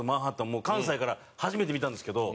もう関西から初めて見たんですけど。